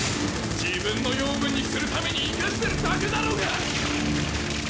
自分の養分にするために生かしてるだけだろうが！